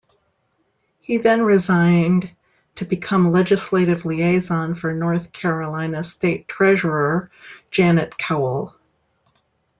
He then resigned to become legislative liaison for North Carolina State Treasurer Janet Cowell.